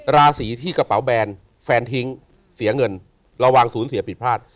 ราศีที่กระเป๋าแบนแฟนทิ้งเสียเงินระวังศูนย์เสียผิดพลาด